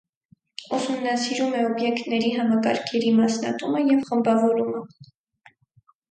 Ուսումնասիրում է օբյեկտների համակարգերի մասնատումը և խմբավորումը։